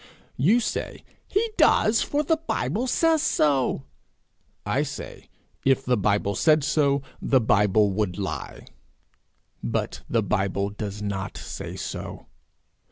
You say he does, for the Bible says so. I say, if the Bible said so, the Bible would lie; but the Bible does not say so.